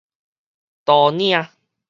刀嶺